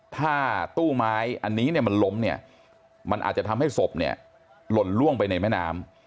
ถ้าตู้ไม้อันนี้เนี่ยมันล้มเนี่ยมันอาจจะทำให้ศพเนี่ยหล่นล่วงไปในแม่น้ำ